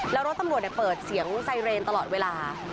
แล้วรถตำรวจเปิดเสียงไซเรนตลอดเวลา